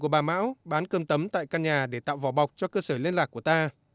bà bán cơm tấm tại căn nhà để tạo vỏ bọc cho cơ sở liên lạc của ta